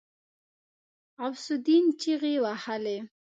غوث الدين چيغې وهلې.